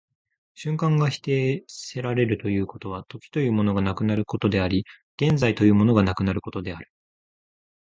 瞬間が否定せられるということは、時というものがなくなることであり、現在というものがなくなることである。